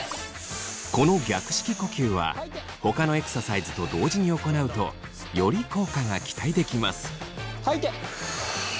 この逆式呼吸はほかのエクササイズと同時に行うとより効果が期待できます。